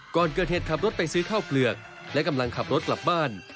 ก่อนเกิดเหตุขับรถไปซื้อข้าวเปลือกและกำลังขับรถกลับบ้าน